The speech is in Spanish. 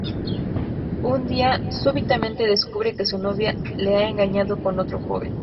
Un día súbitamente descubre que su novia le ha engañado con otro joven.